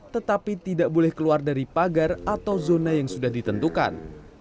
tetapi tidak boleh keluar dari pagar atau zona yang sudah ditentukan